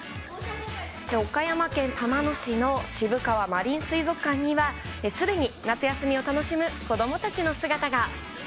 岡山県玉野市の渋川マリン水族館には、すでに夏休みを楽しむ子どもたちの姿が。